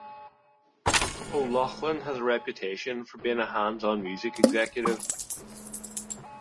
O'Loughlin has a reputation for being a hands-on music executive.